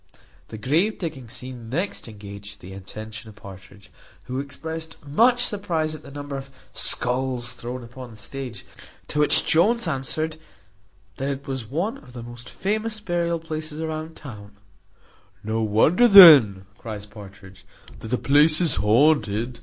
The grave digging scene next engaged the attention of Partridge, who expressed much surprize at the number of skulls thrown upon the stage. To which Jones answered, "That it was one of the most famous burial places about town." "No wonder then," cries Partridge, "that the place is haunted.